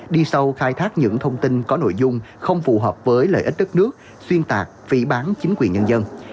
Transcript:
đi sâu khai thác những thông tin có nội dung không phù hợp với lợi ích đất nước xuyên tạc phỉ bán chính quyền nhân dân